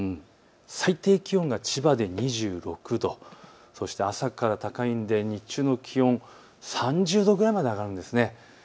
最低気温が千葉で２６度、そして朝から高いので日中の気温、３０度ぐらいまで上がるんです。